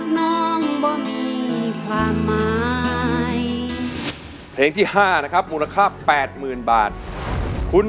น้องเป็นคนดีที่อ้ายบอกอ้างคุณ